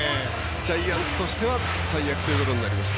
ジャイアンツとしては最悪ということになりました。